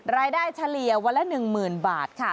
รายได้เฉลี่ยวันละ๑๐๐๐๐บาทค่ะ